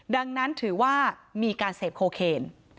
ดังนั้นถือว่ามีการเสพโคเคน